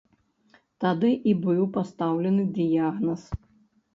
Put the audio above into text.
Тады і быў пастаўлены дыягназ.